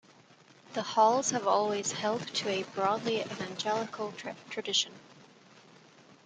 The halls have always held to a broadly evangelical tradition.